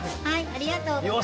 ありがとうございます。